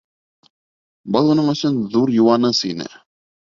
Был уның өсөн ҙур йыуаныс ине.